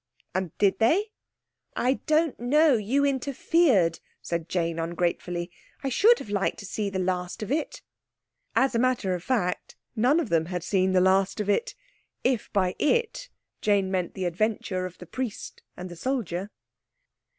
"And did they?" "I don't know. You interfered," said Jane ungratefully. "I should have liked to see the last of it." As a matter of fact, none of them had seen the last of it—if by "it" Jane meant the adventure of the Priest and the Soldier.